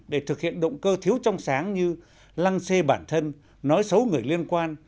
để thực hiện động cơ thiếu trong sáng như lăng xê bản thân nói xấu người liên quan